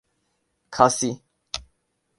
کھاسی